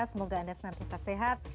semoga anda senang senang sehat